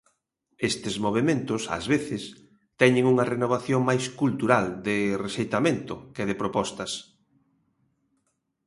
Estes movementos, ás veces, teñen unha renovación máis cultural, de rexeitamento, que de propostas.